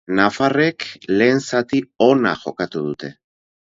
Nafarrek lehen zati ona jokatu dute.